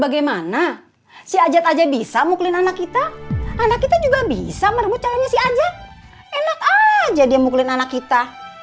bagaimana si ajat aja bisa mukulin anak kita anak kita juga bisa merebut calonnya sih aja enak aja dia mukulin anak kita